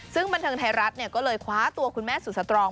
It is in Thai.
ซึ่งบันเทิงไทยรัฐก็เลยคว้าตัวคุณแม่สุดสตรอง